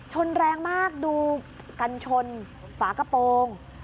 ชนแรงมากดูกันชนฝากระโปรง